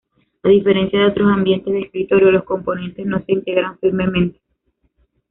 A diferencia de otros ambientes de escritorio, los componentes no se integran firmemente.